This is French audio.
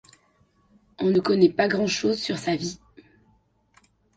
On ne connaît pas grand chose sur sa vie.